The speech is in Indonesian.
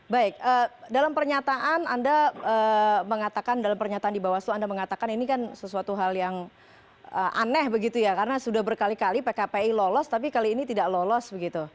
baik dalam pernyataan di bawaslu anda mengatakan ini kan sesuatu hal yang aneh karena sudah berkali kali pkpi lolos tapi kali ini tidak lolos